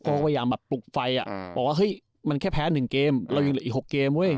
พยายามแบบปลุกไฟอ่ะบอกว่าเฮ้ยมันแค่แพ้๑เกมเรายังเหลืออีก๖เกมเว้ย